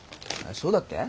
そうだっけ？